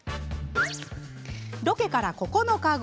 ロケから９日後。